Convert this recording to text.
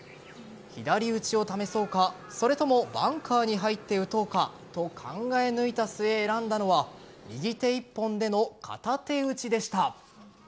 左打ちを試そうかそれともバンカーに入って打とうかと考え抜いた末、選んだのは右手１本での片手打ちでした。